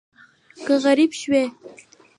که غریب شوې